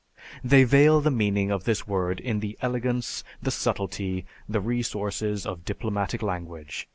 "_) They veil the meaning of this word in the elegance, the subtlety, the resources, of diplomatic language.